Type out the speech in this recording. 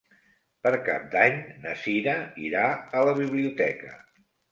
Per Cap d'Any na Sira irà a la biblioteca.